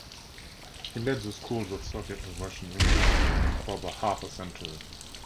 He led the school of Soviet and Russian humorists for about half a century.